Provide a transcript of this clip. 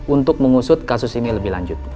untuk mengusut kasus ini lebih lanjut